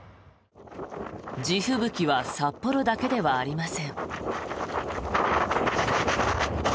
地吹雪は札幌だけではありません。